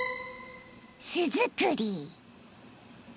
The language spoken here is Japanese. ［巣作り］